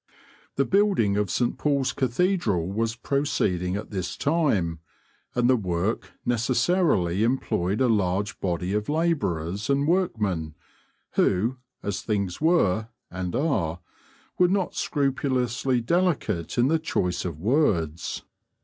The building of Saint Paul's Cathedral was proceeding at this time, and the work necessarily employed a large body of labourers and workmen, who, as things were and are, were not scrupulously delicate in the choice of words.